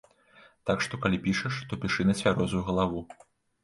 Так што калі пішаш, то пішы на цвярозую галаву.